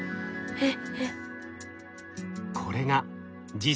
えっ。